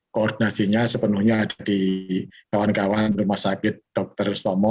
koordinasinya sepenuhnya ada di kawan kawan rumah sakit dr sutomo